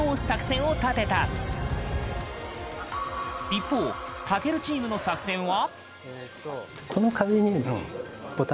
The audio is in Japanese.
一方、健チームの作戦は？